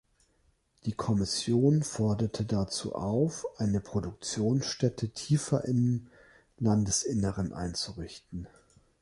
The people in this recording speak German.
Die Kommission forderte dazu auf, eine Produktionsstätte tiefer im Landesinneren einzurichten.